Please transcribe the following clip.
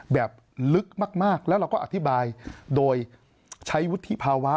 แบบลึกมากแล้วเราก็อธิบายโดยใช้วุฒิภาวะ